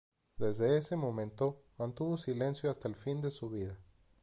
Desde ese momento mantuvo silencio hasta el fin de su vida.